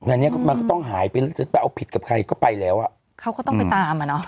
อันนี้มันก็ต้องหายไปจะไปเอาผิดกับใครก็ไปแล้วอ่ะเขาก็ต้องไปตามอ่ะเนอะ